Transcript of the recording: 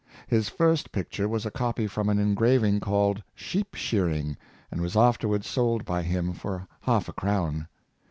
His first picture was a copy from an engraving called " Sheep shearing " and was after wards sold by him for half a crown.